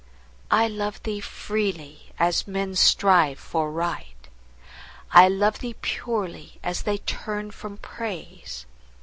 I love thee freely, as men strive for Right; I love thee purely, as they turn from Praise.